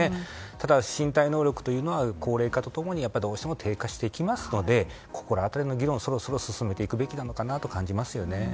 ただ、身体能力というのは高齢化と共にどうしても低下していきますのでここら辺りの議論をすべきかなと思いますね。